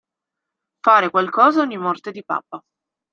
Fare qualcosa ogni morte di papa.